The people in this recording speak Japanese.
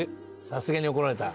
「さすがに怒られた？」